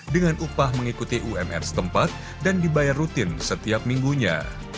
dengan upah mengikuti umr setempat dan dibayar rutin setiap minggunya